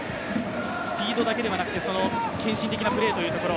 スピードだけではなくて献身的なプレーということ。